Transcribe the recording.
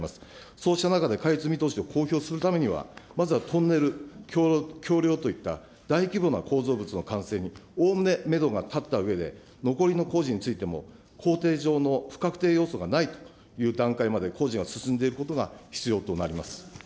そうした中で開通見通しを公表するためには、まずはトンネル、橋りょうといった大規模な構造物の完成におおむねメドが立ったうえで、残りの工事についても、工程上の不確定要素がないという段階まで工事が進んでいることが必要となります。